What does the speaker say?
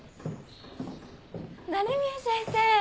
鳴宮先生！